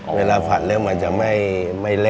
ผัดแล้วมันจะไม่เละ